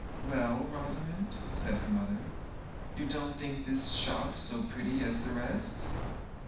'Well, Rosamond,' said her mother, 'you don't think this shop so pretty as the rest?'